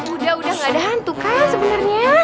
udah udah nggak ada hantu kak sebenarnya